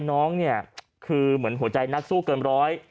น้องเนี่ยคือเหมือนหัวใจนักสู้เกินร้อย